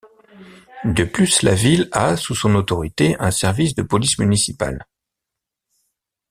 De plus, la ville a sous son autorité un service de police municipale.